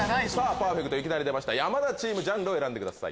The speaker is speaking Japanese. パーフェクトいきなり出ました山田チームジャンルを選んでください。